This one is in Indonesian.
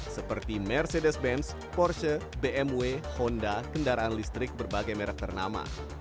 seperti mercedes benz porsche bmw honda kendaraan listrik berbagai merek ternama